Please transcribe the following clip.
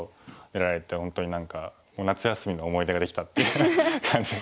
出られて本当に何か夏休みの思い出ができたっていう感じで。